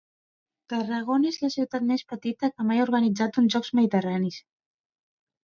Tarragona és la ciutat més petita que mai ha organitzat uns Jocs Mediterranis.